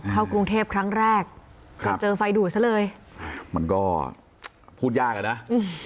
เข้ากรุงเทพครั้งแรกจนเจอไฟดูดซะเลยมันก็พูดยากอ่ะนะอืม